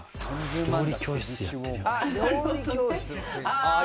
料理教室やってる人。